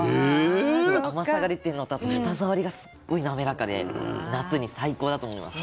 すごい甘さが出てるのとあと舌触りがすっごい滑らかで夏に最高だと思います。